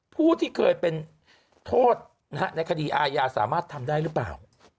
ผู้ที่เคยเป็นโทษในคดีอาญาสามารถทำได้หรือเปล่า